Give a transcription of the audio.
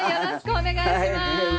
お願いします。